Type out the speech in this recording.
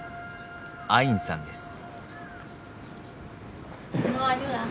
アインさんです。